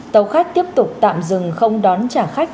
tàu khách tiếp tục tạm dừng không đón trả khách